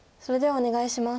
お願いします。